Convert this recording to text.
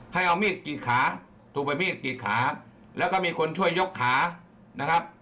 ให้เอามีดกรีดขาถูกไปมีดกรีดขาแล้วก็มีคนช่วยยกขานะครับ